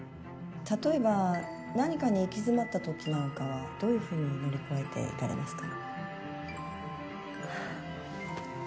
例えば何かに行き詰まった時なんかはどういうふうに乗り越えていかれますか？